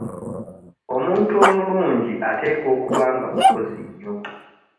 Omuntu omulungi ateekwa okuba nga mukozi nnyo.